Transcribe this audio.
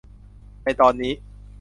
ในตอนนี้